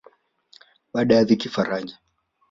Baada ya dhiki faraja